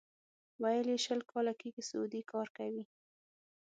ویل یې شل کاله کېږي سعودي کار کوي.